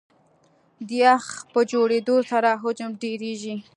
د یخ په جوړېدو سره حجم ډېرېږي.